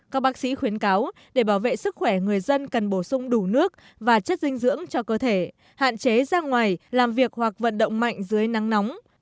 các bác sĩ khuyến cáo để bảo vệ sức khỏe người dân cần bổ sung đủ nước và chất dinh dưỡng cho cơ thể hạn chế ra ngoài làm việc hoặc vận động mạnh dưới nắng nóng